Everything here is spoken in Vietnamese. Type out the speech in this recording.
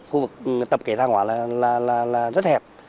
khu vực tập kết thang hóa là rất hẹp